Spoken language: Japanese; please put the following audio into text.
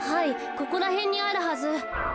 ここらへんにあるはず。